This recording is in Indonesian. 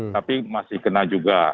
tapi masih kena juga